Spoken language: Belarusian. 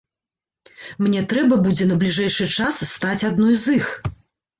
Мне трэба будзе на бліжэйшы час стаць адной з іх!